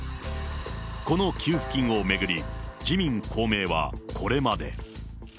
この給付金を巡り、自民、公明はこれまで。